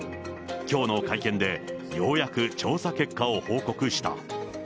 きょうの会見で、ようやく調査結果を報告した。